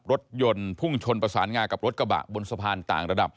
รถยนต์พุ่งชนประสานงากับรถกระบะบนสะพานต่างระดับ